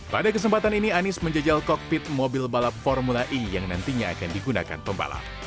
pada kesempatan ini anies menjejal kokpit mobil balap formula e yang nantinya akan digunakan pembalap